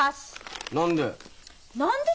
何で？